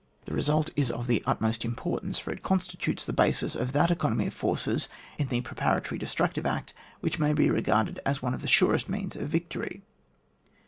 This result is of the utmost importance, for it constitutes the basis of that eco nomy of forces in the preparatory de structive act which may be regarded as one of the surest means to victory.